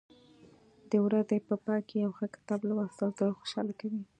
د ورځې په پای کې یو ښه کتاب لوستل زړه خوشحاله کوي.